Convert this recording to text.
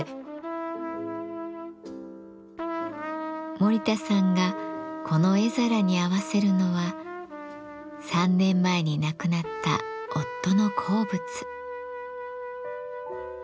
森田さんがこの絵皿に合わせるのは３年前に亡くなった夫の好物。